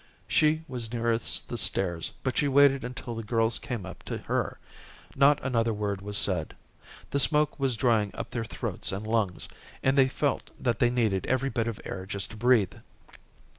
She was nearest the stairs, but she waited until the girls came up to her. Not another word was said. The smoke was drying up their throats and lungs, and they felt that they needed every bit of air just to breathe.